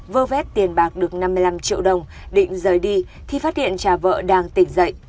vơ vét tiền bạc được năm mươi năm triệu đồng định rời đi thì phát hiện trà vợ đang tỉnh dậy